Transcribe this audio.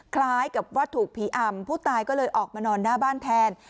คล้ายกับว่าถูกผีอำผู้ตายก็เลยออกมานอนหน้าบ้านแทน